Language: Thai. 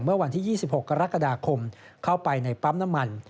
เมื่อวันที่๒๖กรกฎาคมเข้าไปในปั๊มน้ำมัน